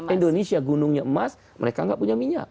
indonesia gunungnya emas mereka nggak punya minyak